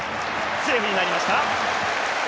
セーフになりました。